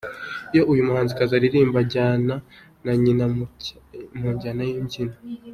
Iyo uyu muhanzikazi aririmba, aba ajyana na nyina mu njyana n'imbyino.